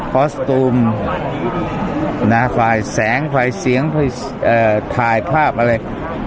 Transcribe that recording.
อสตูมฝ่ายแสงฝ่ายเสียงถ่ายภาพอะไร